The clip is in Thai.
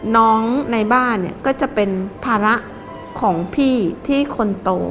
น้องในบ้านก็จะเป็นภาระของพี่ที่คนโต